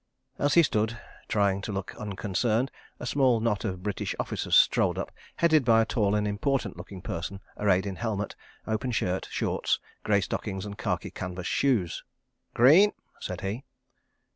... As he stood, trying to look unconcerned, a small knot of British officers strolled up, headed by a tall and important looking person arrayed in helmet, open shirt, shorts, grey stockings and khaki canvas shoes. "Greene?" said he.